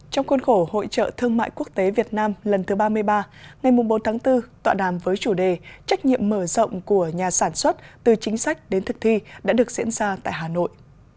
trong khuôn khổ hội trợ thương mại quốc tế việt nam lần thứ ba mươi ba ngày bốn tháng bốn tọa đàm với chủ đề trách nhiệm mở rộng của nhà sản xuất từ chính sách đến thực thi đã được diễn ra tại hà nội